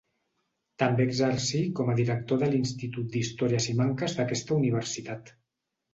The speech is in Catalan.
També exercí com a director de l'Institut d'Història Simancas d'aquesta universitat.